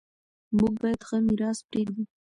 موږ باید ښه میراث پریږدو.